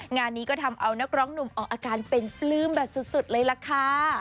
งานนี้ก็ทำเอานักร้องหนุ่มออกอาการเป็นปลื้มแบบสุดเลยล่ะค่ะ